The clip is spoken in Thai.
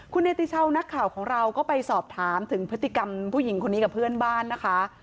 คุณเนติชาวนักข่าวของเราก็ไปสอบถามถึงพฤติกรรมผู้หญิงคนนี้กับเพื่อนบ้านนะคะ